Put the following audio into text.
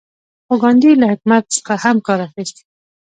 خو ګاندي له حکمت څخه هم کار اخیست.